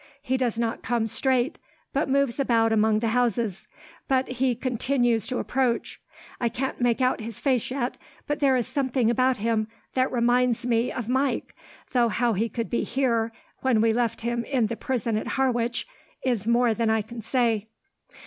He does not come straight, but moves about among the houses; but he continues to approach. I can't make out his face yet, but there is something about him that reminds me of Mike; though how he could be here, when we left him in the prison at Harwich, is more than I can say."